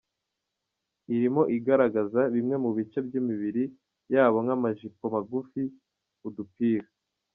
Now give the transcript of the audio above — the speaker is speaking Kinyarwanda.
irimo igaragaza bimwe mu bice by’imibiri yabo nk’amajipo magufi, udupira